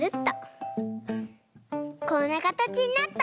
こんなかたちになった！